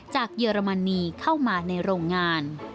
เยอรมนีเข้ามาในโรงงาน